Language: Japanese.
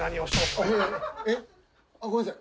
えっ？ごめんなさい。